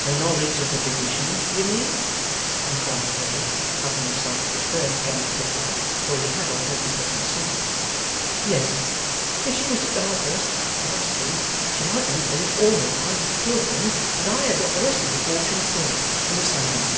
'The knowledge of the diwision, d'ye mean?' inquired Wegg, helping himself to a third Gum Tickler for he had already taken a second. 'Yes. If she was to die first of us two she might then think all her life, poor thing, that I had got the rest of the fortune still, and was saving it.